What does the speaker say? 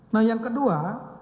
nah yang kedua